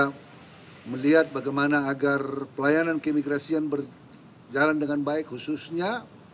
kita melihat bagaimana agar pelayanan keimigrasian berjalan dengan baik khususnya